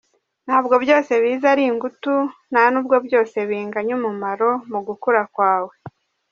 Ntabwo byose biza ari ingutu, nta n’ubwo byose binganya umumaro mu gukura kwawe.